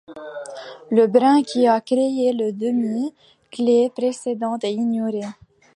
Le brin qui a créé la demi-clé précédente est ignoré.